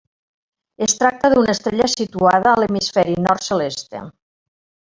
Es tracta d'una estrella situada a l'hemisferi nord celeste.